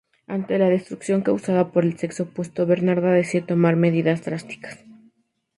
Ante tal destrucción causada por el sexo opuesto, Bernarda decide tomar medidas drásticas.